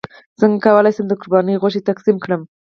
څنګه کولی شم د قرباني غوښه تقسیم کړم